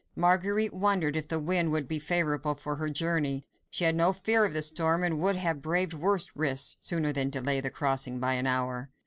Marguerite wondered if the wind would be favourable for her journey. She had no fear of the storm, and would have braved worse risks sooner than delay the crossing by an hour.